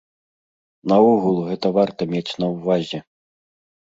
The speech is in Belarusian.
Наогул, гэта варта мець на ўвазе.